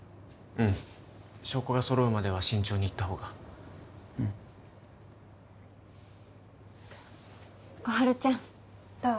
うん証拠が揃うまでは慎重にいったほうがうん小春ちゃんどう？